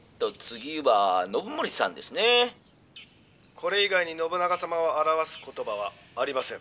「これ以外に信長様を表す言葉はありません」。